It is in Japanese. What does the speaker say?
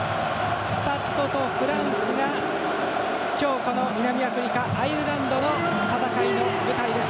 スタッド・ド・フランスが今日、この南アフリカアイルランドの舞台です。